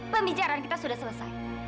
pembicaraan kita sudah selesai